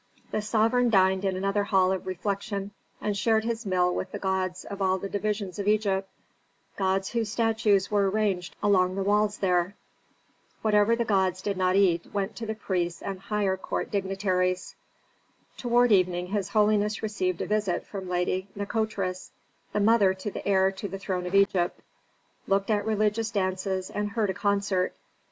The sovereign dined in another hall of refection and shared his meal with the gods of all the divisions of Egypt, gods whose statues were ranged along the walls there. Whatever the gods did not eat went to the priests and higher court dignitaries. Toward evening his holiness received a visit from Lady Nikotris, the mother to the heir to the throne of Egypt; looked at religious dances and heard a concert.